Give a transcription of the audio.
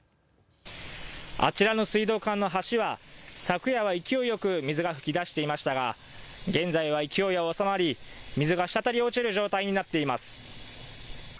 あちらの水道管の水は昨夜は勢いよく水が噴き出していましたが現在は勢いは収まり水がしたたり落ちる状態になっています。